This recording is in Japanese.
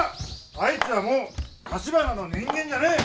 あいつはもう橘の人間じゃねえ。